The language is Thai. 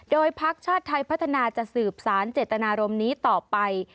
โดยพักชาติไทยพัฒนาจะสืบสารเจตนารมณ์นี้ต่อไป